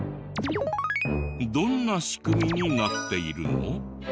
どんな仕組みになっているの？